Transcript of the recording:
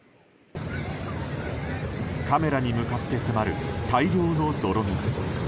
カメラの向かって迫る大量の泥水。